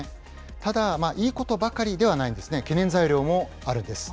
ただ、いいことばかりではないんですね、懸念材料もあるんです。